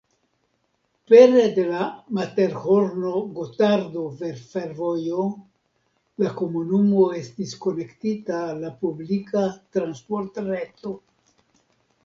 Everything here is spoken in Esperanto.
Pere de la Materhorno-Gotardo-Fervojo la komunumo estas konektita al la publika transportreto.